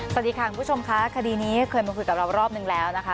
สวัสดีค่ะคุณผู้ชมค่ะคดีนี้เคยมาคุยกับเรารอบนึงแล้วนะคะ